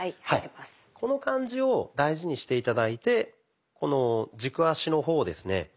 この感じを大事にして頂いてこの軸足の方をですね